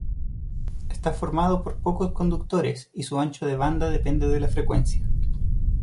Está formado por pocos conductores y su ancho de banda depende de la frecuencia.